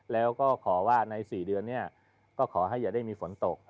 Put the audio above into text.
แล้วก็ขอว่าใน๔เดือนเนี่ยก็ขอให้อย่าได้มีฝนตก